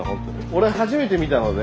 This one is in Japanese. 俺初めて見たので。